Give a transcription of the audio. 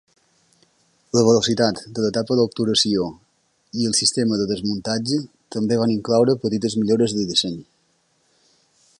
La velocitat de la tapa d'obturació i el sistema de desmuntatge també van incloure petites millores de disseny.